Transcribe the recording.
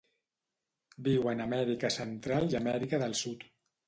Viuen a Amèrica Central i Amèrica del Sud.